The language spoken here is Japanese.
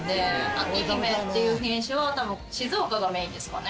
あきひめっていう品種は多分静岡がメインですかね。